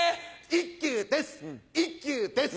一休です